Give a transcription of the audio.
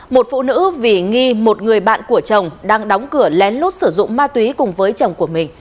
một phụ nữ vì nghi một người bạn của chồng đang đóng cửa lén lút sử dụng ma túy cùng với chồng của mình